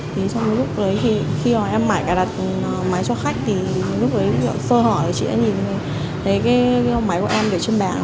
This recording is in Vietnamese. trong lúc ấy thì khi em mải cài đặt máy cho khách thì lúc ấy sơ hỏi thì chị đã nhìn thấy cái máy của em để trên bàn